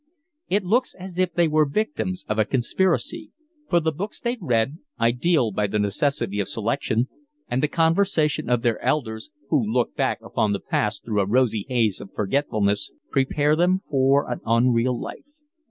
It looks as if they were victims of a conspiracy; for the books they read, ideal by the necessity of selection, and the conversation of their elders, who look back upon the past through a rosy haze of forgetfulness, prepare them for an unreal life.